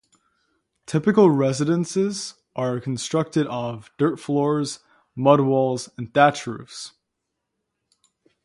Typical residences are constructed of dirt floors, mud walls, and thatch roofs.